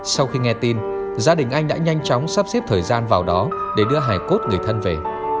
sau khi nghe tin gia đình anh đã nhanh chóng sắp xếp thời gian vào đó để đưa hải cốt người thân về